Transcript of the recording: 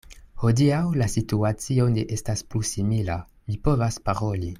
Hodiaŭ la situacio ne estas plu simila: mi povas paroli.